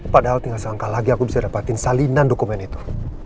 padahal tinggal sangka lagi aku bisa dapatin salinan dokumen itu